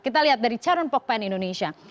kita lihat dari charun pokpen indonesia